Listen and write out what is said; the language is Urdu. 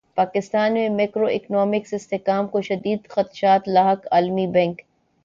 پاکستان میں میکرو اکنامک استحکام کو شدید خدشات لاحق عالمی بینک